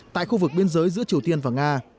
tại khu vực biên giới giữa triều tiên và nga